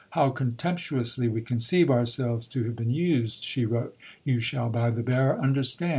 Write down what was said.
"How contemptuously we conceive ourselves to have been used," she wrote, "you shall by the bearer understand.